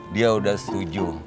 dia udah setuju